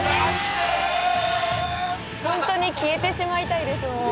ホントに消えてしまいたいですもう。